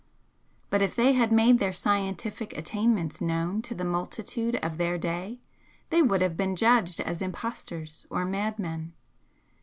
But if they had made their scientific attainments known to the multitude of their day they would have been judged as impostors or madmen.